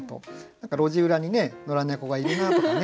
何か路地裏にね野良猫がいるなとかね